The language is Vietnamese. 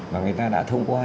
và người ta đã thông qua